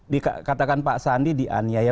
dikatakan pak sandi di aniaya